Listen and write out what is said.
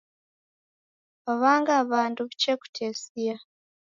W'anga w'andu w'ichekutesia